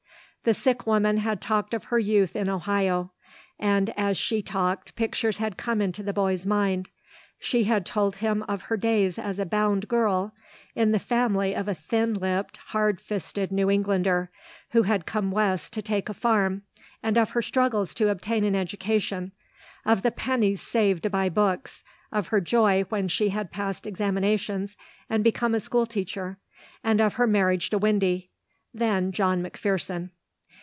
The sick woman had talked of her youth in Ohio, and as she talked pictures had come into the boy's mind. She had told him of her days as a bound girl in the family of a thin lipped, hard fisted New Englander, who had come West to take a farm, and of her struggles to obtain an education, of the pennies saved to buy books, of her joy when she had passed examinations and become a school teacher, and of her marriage to Windy then John McPherson.